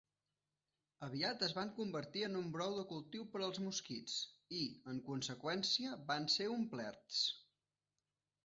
Aviat es van convertir en un brou de cultiu per als mosquits i, en conseqüència, van ser omplerts.